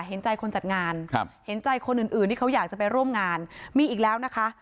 เห็นใจคนจัดงานครับเห็นใจคนอื่นที่เขาอยากจะไปร่วมงานมีอีกแล้วนะคะ